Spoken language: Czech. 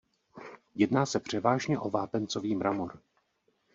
Jedná se převážně o vápencový mramor.